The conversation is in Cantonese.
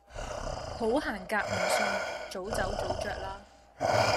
好行夾唔送，早走早著啦